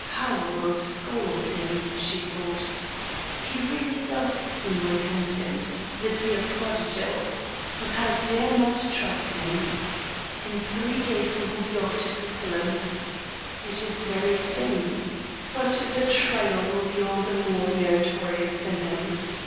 " How I will scold him !" she thought. " He really does seem repentant, the dear prodigal! But I dare not trust him. In three days we can be off for Switzerland. It is very soon. But the trial will be all the more meritorious in him.